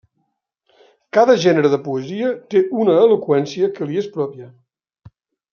Cada gènere de poesia té una eloqüència que li és pròpia.